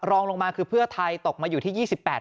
รองลงมาคือเพื่อไทยตกมาอยู่ที่๒๘